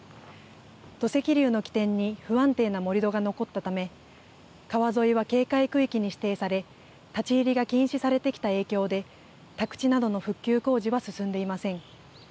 土石流の起点に不安定な盛り土が残ったため川沿いは警戒区域に指定され立ち入りが禁止されてきた影響で宅地などの復旧工事は進んでいません。